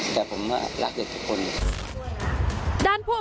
แต่ผมว่ารักเด็กทุกคน